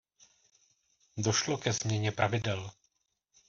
Došlo ke změně pravidel.